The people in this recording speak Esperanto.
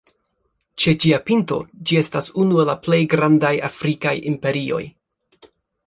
Ĉe ĝia pinto, ĝi estas unu el la plej grandaj afrikaj imperioj.